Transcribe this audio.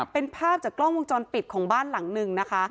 เป็นภาพจากกล้องวงจรปิดของบ้านหลังหนึ่งนะคะ